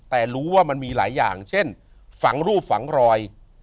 แต่รู้ว่ามันมีหลายอย่างเช่นฝังรูปฝังรอย